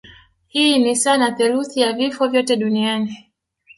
Hii ni sawa na theluthi ya vifo vyote duniani